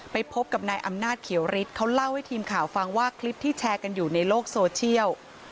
ไปพบกับนายอำนาจเขียวฤทธิ์เขาเล่าให้ทีมข่าวฟังว่าคลิปที่แชร์กันอยู่ในโลกโซเชียล